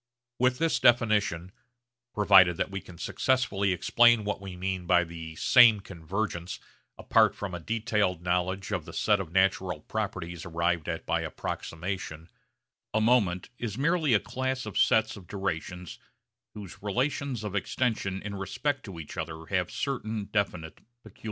With this definition (provided that we can successfully explain what we mean by the 'same convergence' apart from a detailed knowledge of the set of natural properties arrived at by approximation) a moment is merely a class of sets of durations whose relations of extension in respect to each other have certain definite peculiarities.